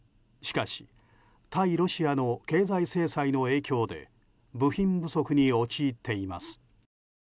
しかし対ロシアの経済制裁の影響で部品不足に陥っています。